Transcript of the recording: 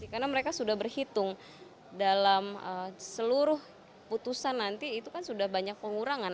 karena mereka sudah berhitung dalam seluruh putusan nanti itu kan sudah banyak pengurangan